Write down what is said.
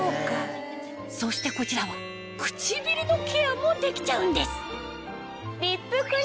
そしてこちらは唇のケアもできちゃうんです